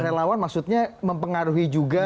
relawan maksudnya mempengaruhi juga